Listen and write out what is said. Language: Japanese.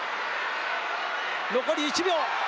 残り１秒。